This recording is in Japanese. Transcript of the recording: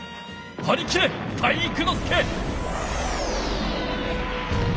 はりきれ体育ノ介！